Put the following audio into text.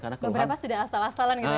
beberapa sudah asal asalan